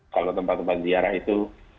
kalau tempat tempat ziarah itu